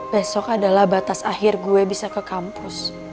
besok adalah batas akhir gue bisa ke kampus